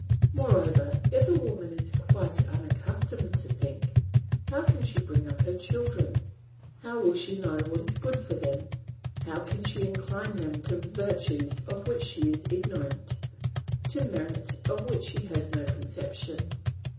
Moreover, if a woman is quite unaccustomed to think, how can she bring up her children? How will she know what is good for them? How can she incline them to virtues of which she is ignorant, to merit of which she has no conception?